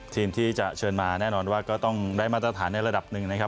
ทีมที่จะเชิญมาแน่นอนว่าก็ต้องได้มาตรฐานในระดับหนึ่งนะครับ